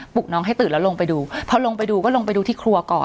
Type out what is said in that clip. ลูกน้องให้ตื่นแล้วลงไปดูพอลงไปดูก็ลงไปดูที่ครัวก่อน